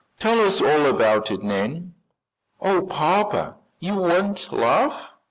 "Tell us all about it, Nan." "Oh, papa, you won't laugh?"